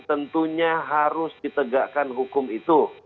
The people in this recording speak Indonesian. tentunya harus ditegakkan hukum itu